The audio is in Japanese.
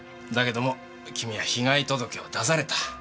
だけども君は被害届を出された。